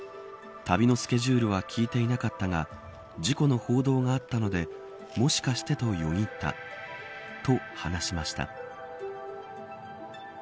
旅のスケジュールは聞いていなかったが事故の報道があったのでもしかしてとよぎったと話しました。